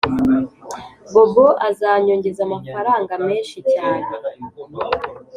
bobo azanyogeza amafaranga menshi cyane